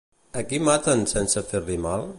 A qui maten sense fer-li mal?